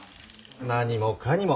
何もかにも。